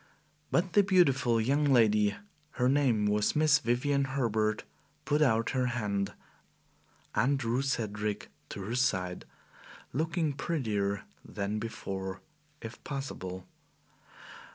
But the beautiful young lady her name was Miss Vivian Herbert put out her hand and drew Cedric to her side, looking prettier than before, if possible.